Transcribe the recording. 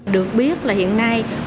được biết là hiện nay